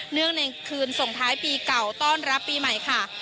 ในคืนส่งท้ายปีเก่าต้อนรับปีใหม่ค่ะ